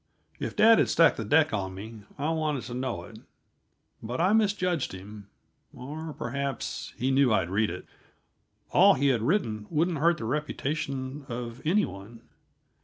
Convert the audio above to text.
If dad had stacked the deck on me, I wanted to know it. But I misjudged him or, perhaps, he knew I'd read it. All he had written wouldn't hurt the reputation of any one.